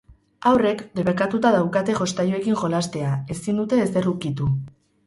Haurrek debekatuta daukate jostailuekin jolastea, ezin dute ezer ukitu.